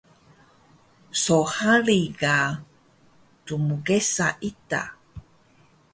So hari ga tmgesa ita